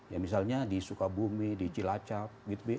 ya misalnya di sukabumi di cilacap gitu